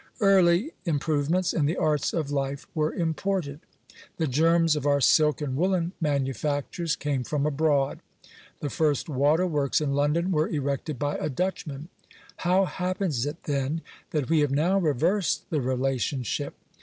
Early im provements in the arts of life were imported. The germs of Digitized by VjOOQIC SANITARY SUPERVISION. 898 our silk and woollen manufactures came from abroad. The first water works in London were erected by a Dutchman. How happens it, then, that we have now reversed the relationship